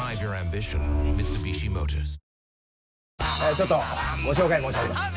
「ちょっとご紹介申し上げます。